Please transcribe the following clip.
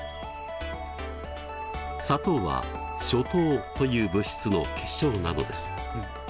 砂糖はショ糖という物質の結晶なのです。